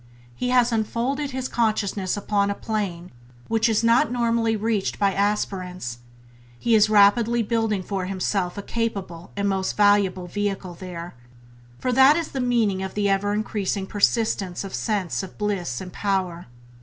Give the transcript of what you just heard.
He has unfolded his consciousness upon a plane which is not normally reached by aspirants; he is rapidly building for himself a capable and most valuable vehicle there — for that is the meaning of the ever increasing persistence of sense of bliss and power.